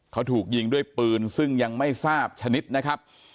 เขาถูกยิงด้วยปืนซึ่งยังไม่ทราบชนิดนะครับ